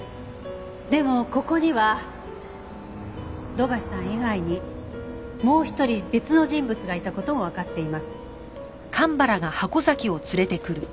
でもここには土橋さん以外にもう一人別の人物がいた事もわかっています。